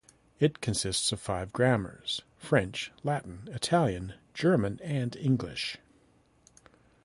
It consisted of five grammars: French, Latin, Italian, German, and English.